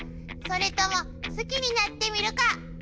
それとも好きになってみるか？